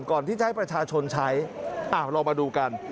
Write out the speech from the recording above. ก่อนที่จะให้ประชาชนใช้เรามาดูกัน